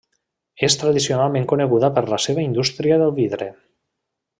És tradicionalment coneguda per la seva indústria del vidre.